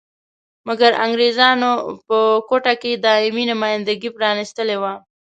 مګر انګریزانو په کوټه کې دایمي نمایندګي پرانیستلې وه.